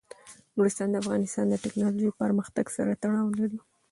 نورستان د افغانستان د تکنالوژۍ پرمختګ سره تړاو لري.